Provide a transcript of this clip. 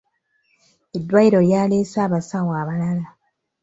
Eddwaliro lyaleese abasawo abalala.